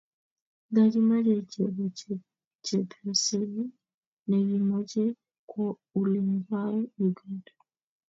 Nga kimochei chebo chepyosenyi nekimochei kowo olingwai Uganda